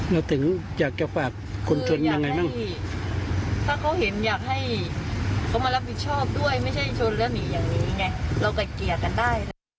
เราถึงอยากจะฝากคนชนยังไงบ้างพี่ถ้าเขาเห็นอยากให้เขามารับผิดชอบด้วยไม่ใช่ชนแล้วหนีอย่างนี้ไงเราไก่เกลี่ยกันได้